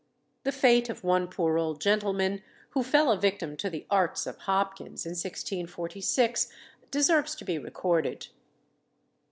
The fate of one poor old gentleman, who fell a victim to the arts of Hopkins in 1646, deserves to be recorded.